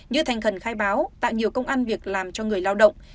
như thành khẩn khai báo tạo nhiều công ăn việc làm cho người lao động